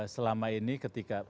selama ini ketika